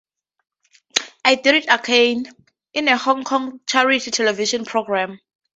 I Did It Again, in a Hong Kong charity television program.